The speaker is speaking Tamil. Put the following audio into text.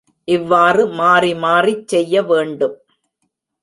இவ்வாறு மாறி மாறிச் செய்ய வேண்டும்.